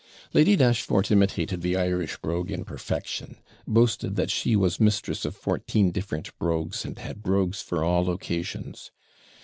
Lady Dashfort imitated the Irish brogue in perfection; boasted that 'she was mistress of fourteen different brogues, and had brogues for all occasions.'